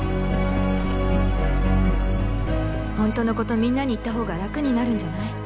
本当のことみんなに言った方が楽になるんじゃない？